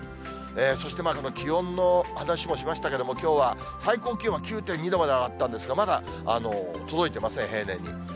そして、気温の話もしましたけども、きょうは最高気温９．２度まで上がったんですが、まだ届いてません、平年に。